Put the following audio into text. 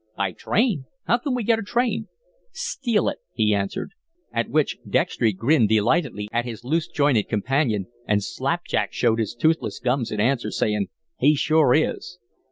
"By train? How can we get a train?" "Steal it," he answered, at which Dextry grinned delightedly at his loose jointed companion, and Slapjack showed his toothless gums in answer, saying: "He sure is."